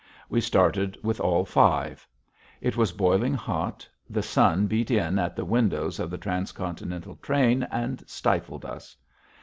We started with all five. It was boiling hot; the sun beat in at the windows of the transcontinental train and stifled us.